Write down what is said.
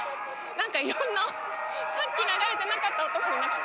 何かいろんなさっき流れてなかった音が。